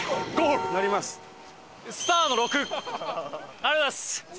ありがとうございます！